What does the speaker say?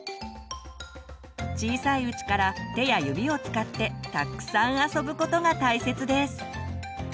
小さいうちから手や指を使ってたっくさん遊ぶことが大切です。